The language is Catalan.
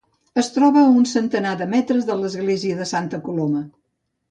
Es troba a un centenar de metres de l'església de Santa Coloma.